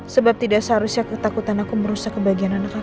sebab tidak seharusnya ketakutan aku merusak kebagian anak aku